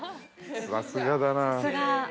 ◆さすがだなあ。